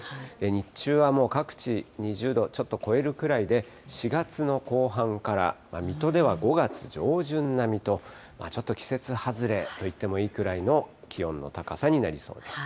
日中はもう各地、２０度をちょっと超えるくらいで、４月の後半から、水戸では５月上旬並みと、ちょっと季節外れといってもいいくらいの気温の高さになりそうです。